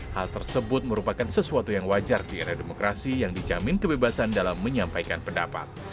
hal tersebut merupakan sesuatu yang wajar di era demokrasi yang dijamin kebebasan dalam menyampaikan pendapat